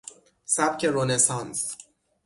سبک رنسانس